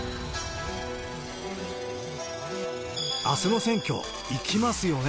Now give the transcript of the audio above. あすの選挙、行きますよね？